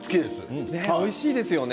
おいしいですよね